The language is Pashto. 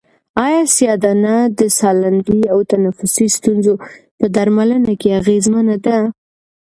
آیا سیاه دانه د سالنډۍ او تنفسي ستونزو په درملنه کې اغېزمنه ده؟